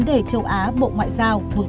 là hải phòng